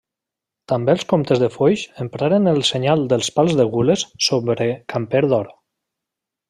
També els comtes de Foix empraren el senyal dels pals de gules sobre camper d'or.